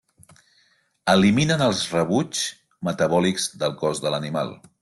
Eliminen els rebuigs metabòlics del cos de l'animal.